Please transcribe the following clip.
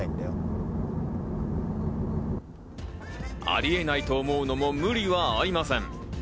ありえないと思うのも無理はありません。